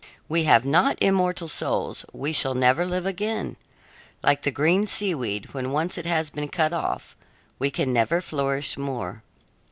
We have not immortal souls, we shall never live again; like the green seaweed when once it has been cut off, we can never flourish more.